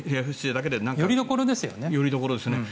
よりどころですよね。